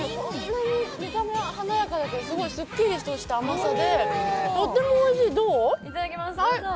見た目は華やかだけどすごいすっきりとした甘さでとってもおいしいどう？